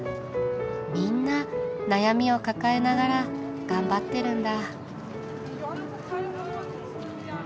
みんな悩みを抱えながら頑張ってるんだ。